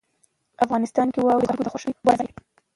افغانستان کې واوره د خلکو د خوښې وړ ځای دی.